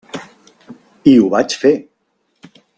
I ho vaig fer.